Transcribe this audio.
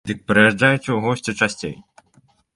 Дык прыязджайце ў госці часцей!